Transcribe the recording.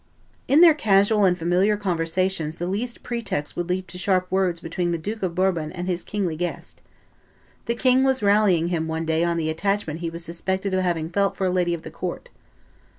In their casual and familiar conversations the least pretext would lead to sharp words between the Duke of Bourbon and his kingly guest. The king was rallying him one day on the attachment he was suspected of having felt for a lady of the court.